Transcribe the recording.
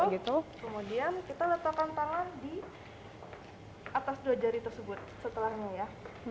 kemudian kita letakkan tangan di atas dua jari tersebut setelahnya ya